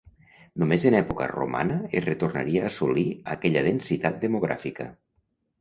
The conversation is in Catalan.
Només en època romana es retornaria a assolir aquella densitat demogràfica.